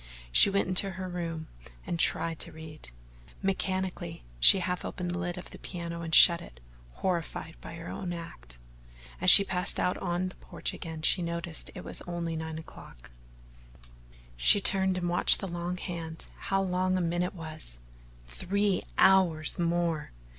She went into her room and tried to read. Mechanically, she half opened the lid of the piano and shut it, horrified by her own act. As she passed out on the porch again she noticed that it was only nine o'clock. She turned and watched the long hand how long a minute was! Three hours more!